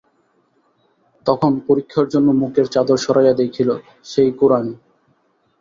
তখন পরীক্ষার জন্য মুখের চাদর সরাইয়া দেখিল, সেই কুড়ানি।